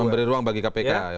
memberi ruang bagi kpk